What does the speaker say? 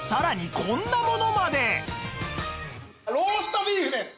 ローストビーフです！